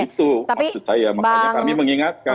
itu maksud saya makanya kami mengingatkan